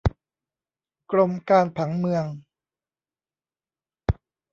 กรมการผังเมือง